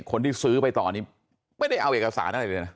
คนที่ซื้อไปตอนนี้ไม่ได้เอาเอกสารอะไรเลยนะ